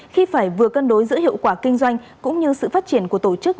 khi phải vừa cân đối giữa hiệu quả kinh doanh cũng như sự phát triển của tổ chức